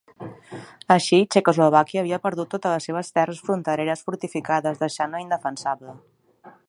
Així, Txecoslovàquia havia perdut totes les seves terres frontereres fortificades deixant-la indefensable.